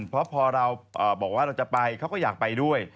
เพราะพอเราบอกว่าเราจะไปเขาก็อยากไปด้วย